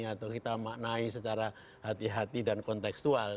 atau kita maknai secara hati hati dan konteksual